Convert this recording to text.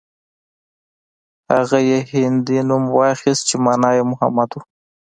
هغه يې هندي نوم واخيست چې مانا يې محمد و.